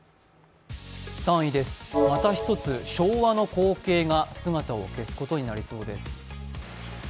３位です、また一つ昭和の光景が姿を消すことになりそうです。